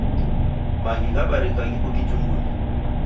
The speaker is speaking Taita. Maghi ghabarika ghiko kijungunyi.